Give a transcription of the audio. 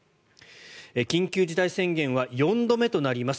緊急事態宣言は４度目となります。